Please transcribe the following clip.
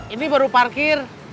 ini baru parkir